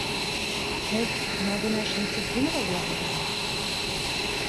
Һеҙ Нәғимә Шәмсетдинова булаһығыҙмы?